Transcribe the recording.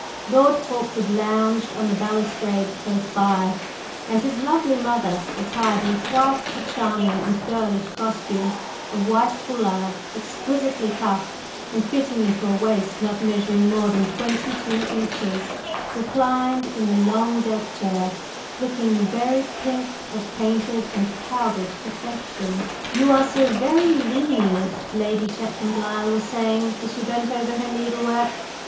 Lord Fulkeward lounged on the balustrade close by, and his lovely mother, attired in quite a charming and girlish costume of white foulard exquisitely cut and fitting into a waist not measuring more than twenty two inches, reclined in a long deck chair, looking the very pink of painted and powdered perfection. "You are so very lenient," Lady Chetwynd Lyle was saying, as she bent over her needlework.